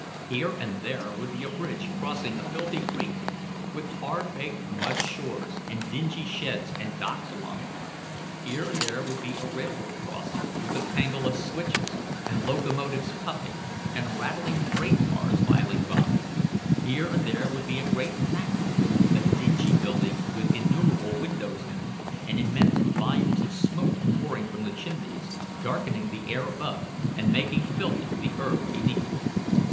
Here and there would be a bridge crossing a filthy creek, with hard baked mud shores and dingy sheds and docks along it; here and there would be a railroad crossing, with a tangle of switches, and locomotives puffing, and rattling freight cars filing by; here and there would be a great factory, a dingy building with innumerable windows in it, and immense volumes of smoke pouring from the chimneys, darkening the air above and making filthy the earth beneath.